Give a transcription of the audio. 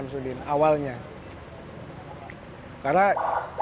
karena namanya ini percobaan yang cukup mudah